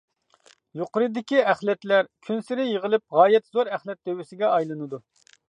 يۇقىرىدىكى ئەخلەتلەر كۈنسېرى يىغىلىپ، غايەت زور ئەخلەت دۆۋىسىگە ئايلىنىدۇ.